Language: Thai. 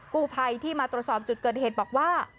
กู้ภัยที่มาตรวจสอบจุดเกิดเหตุบอกว่า